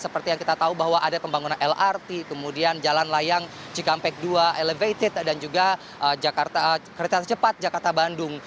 seperti yang kita tahu bahwa ada pembangunan lrt kemudian jalan layang cikampek dua elevated dan juga kereta cepat jakarta bandung